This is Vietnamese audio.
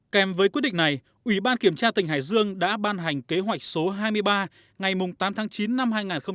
kèm với quyết định này ủy ban kiểm tra tỉnh hải dương đã ban hành kế hoạch số hai mươi ba ngày tám tháng chín năm hai nghìn một mươi chín